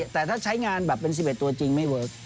แต่ถ้าใช้งานแบบเป็น๑๑ตัวจริงไม่เวิร์ค